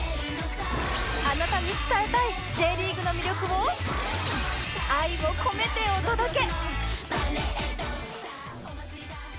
あなたに伝えたい Ｊ リーグの魅力を愛を込めてお届け！